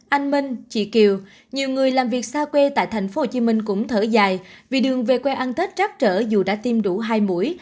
anh minh chị kiều nhiều người làm việc xa quê tại tp hcm cũng thở dài vì đường về quê ăn tết trắc trở dù đã tiêm đủ hai mũi